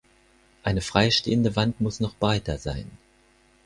Eine freistehende Wand muss noch breiter sein.